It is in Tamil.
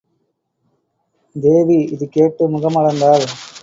தேவி இது கேட்டு முகமலர்ந்தாள்.